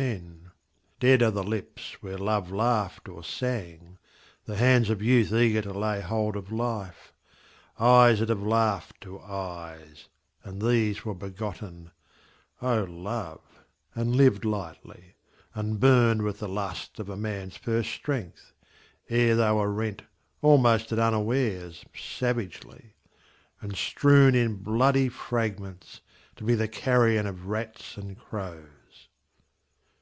POETS MILITANT 271 Dead are the lips where love laughed or sang, The hands of youth eager to lay hold of life, Eyes that have laughed to eyes, And these were begotten, O Love, and lived lightly, and burnt With the lust of a man's first strength : ere they were rent, Almost at unawares, savagely ; and strewn In bloody fragments, to be the carrion Of rats and crows.